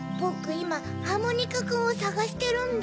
いまハーモニカくんをさがしてるんだ。